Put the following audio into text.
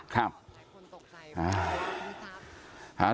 ครับ